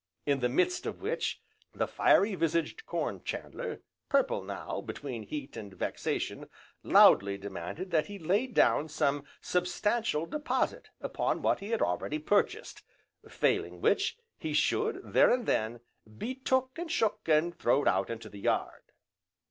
In the midst of which, the fiery visaged Corn chandler, purple now, between heat, and vexation, loudly demanded that he lay down some substantial deposit upon what he had already purchased, failing which, he should, there and then, be took, and shook, and throwed out into the yard.